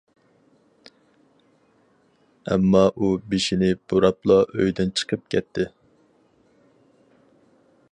ئەمما ئۇ بېشىنى بۇراپلا ئۆيدىن چىقىپ كەتتى.